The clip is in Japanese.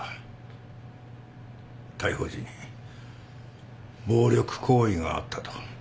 逮捕時に暴力行為があったと。